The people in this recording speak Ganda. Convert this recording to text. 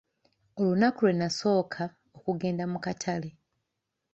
Olunaku lwe nasooka okugenda mu Katale.